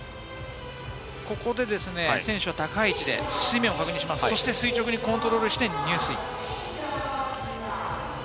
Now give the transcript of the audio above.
選手は高い位置で水面を確認して、垂直にコントロールして入水。